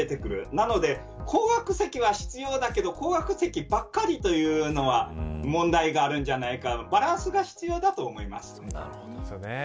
なので、高額席は必要だけど高額席ばっかりというのは問題があるんじゃないかバランスが必要だと思います。